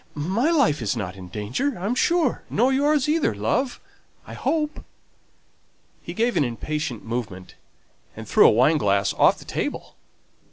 My life is not in danger, I'm sure; nor yours either, love, I hope." He gave an impatient movement, and knocked a wine glass off the table.